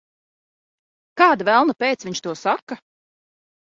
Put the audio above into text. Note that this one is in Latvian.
Kāda velna pēc viņš to saka?